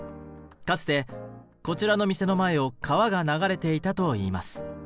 かつてこちらの店の前を川が流れていたといいます。